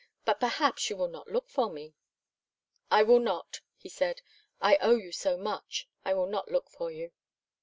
But perhaps you will not look for me?" "I will not," he said. "I owe you so much. I will not look for you."